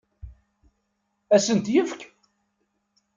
Ad asen-t-yefk?